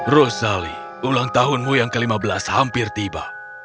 rosali ulang tahunmu yang ke lima belas hampir tiba